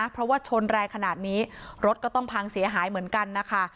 เพราะว่าชนแรงขนาดนี้รถก็ต้องพังเสียหายเหมือนกันนะคะ